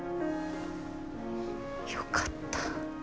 よかった。